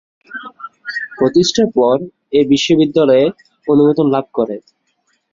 প্রতিষ্ঠার পর এই বিশ্ববিদ্যালয়ের অনুমোদন লাভ করে।